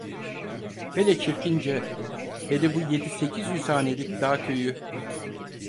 Hele Çirkince… Hele bu yedi, sekiz yüz hanelik dağ köyü…